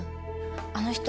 あの人